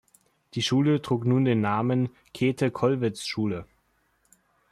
Die Schule trug nun den Namen „Käthe-Kollwitz-Schule“.